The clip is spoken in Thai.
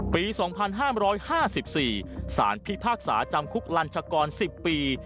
ปี๒๕๕๔สารพิพากษาจำคุกลัญชากร๑๐ปี